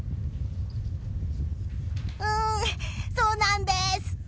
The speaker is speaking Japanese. うん、そうなんです！